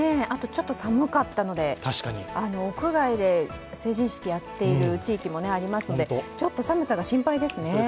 あと、ちょっと寒かったので屋外で成人式やっている地域もありますのでちょっと寒さが心配ですね。